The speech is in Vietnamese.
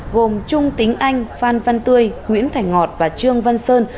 gồm trung tính anh phan văn tươi nguyễn thành ngọt và trương văn sơn